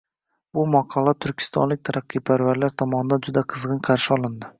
Bu maqola turkistonlik taraqqiyparvarlar tomonidan juda qizg'in qarshi olindi.